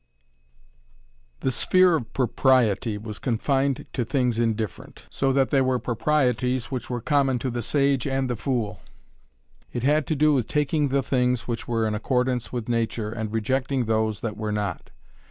The sphere of propriety was confined to things indifferent, so that there were proprieties which were common to the sage and the fool. It had to do with taking the things which were in accordance with nature and rejecting those that were not.